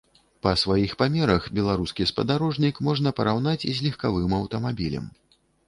Па сваіх памерах беларускі спадарожнік можна параўнаць з легкавым аўтамабілем.